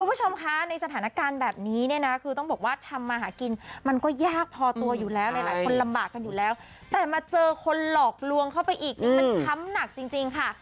คุณผู้ชมคะในสถานการณ์แบบนี้เนี่ยนะคือต้องบอกว่าทำมาหากินมันก็ยากพอตัวอยู่แล้วหลายคนลำบากกันอยู่แล้วแต่มาเจอคนหลอกลวงเข้าไปอีกเนี่ยมันช้ำหนักจริงจริงค่ะ